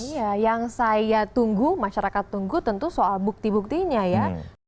iya yang saya tunggu masyarakat tunggu tentu soal bukti buktinya ya